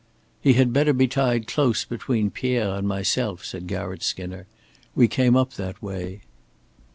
"He had better be tied close between Pierre and myself," said Garratt Skinner. "We came up that way."